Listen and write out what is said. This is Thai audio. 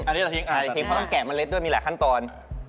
อันนี้ตัดทิ้งต้องแกะเมล็ดด้วยมีหลายขั้นตอน